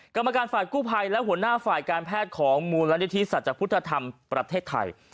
กรรมการฝ่ายกู้ภัยและหัวหน้าฝ่ายการแพทย์ของมูลนิธิสัจพุทธธรรมประเทศไทย